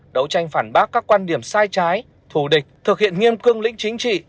đấu tranh phản bác các quan điểm sai trái thù địch thực hiện nghiêm cương lĩnh chính trị